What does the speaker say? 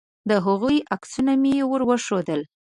د هغوی عکسونه مې ور وښودل.